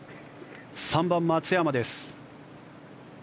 ３番、松山です。